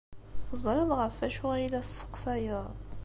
Teẓriḍ ɣef wacu ay la tesseqsayeḍ?